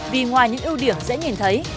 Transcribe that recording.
vì ngoài những ưu điểm dễ nhìn thấy